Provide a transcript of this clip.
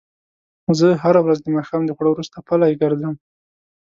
زه هره ورځ د ماښام د خوړو وروسته پلۍ ګرځم